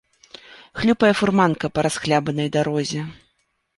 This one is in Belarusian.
Хлюпае фурманка па расхлябанай дарозе.